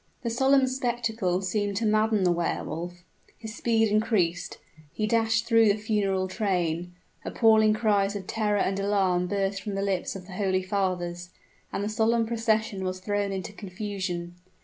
The solemn spectacle seemed to madden the Wehr Wolf. His speed increased he dashed through the funeral train appalling cries of terror and alarm burst from the lips of the holy fathers and the solemn procession was thrown into confusion.